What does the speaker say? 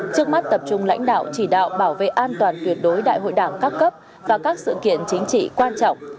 trước mắt tập trung lãnh đạo chỉ đạo bảo vệ an toàn tuyệt đối đại hội đảng các cấp và các sự kiện chính trị quan trọng